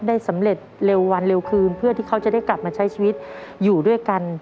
ได้สำเร็จเร็ววันเร็วคืนเพื่อที่เขาจะได้กลับมาใช้ชีวิตอยู่ด้วยกัน